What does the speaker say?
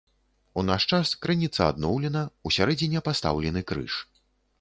У наш час крыніца адноўлена, усярэдзіне пастаўлены крыж.